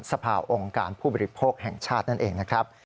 สภาองค์การผู้บริโภคแห่งชาตินั่นเองนะครับ